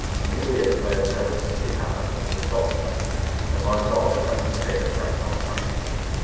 Amelia declares that ever since she has, as the result of that experience, advised all her friends to take a friend on the honeymoon.